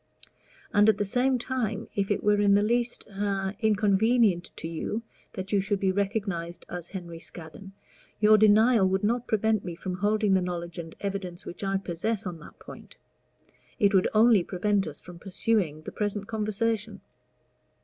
And at the same time, if it were in the least a inconvenient to you that you should be recognized as Henry Scaddon, your denial would not prevent me from holding the knowledge and evidence which I possess on that point; it would only prevent us from pursuing the present conversation."